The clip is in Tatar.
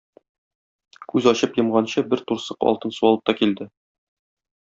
Күз ачып йомганчы бер турсык алтын су алып та килде.